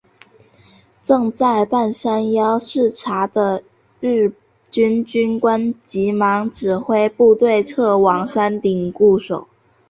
正在半山腰视察的日军军官急忙指挥部队撤往山顶固守。